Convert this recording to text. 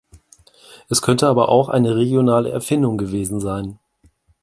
Es könnte aber auch eine regionale Erfindung gewesen sein.